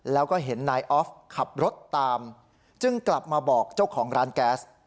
แล้วก็เห็นนายออฟขับรถตามจึงกลับมาบอกเจ้าของร้านแก๊ส